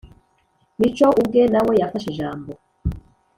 mico ubwe nawe yafashe ijambo.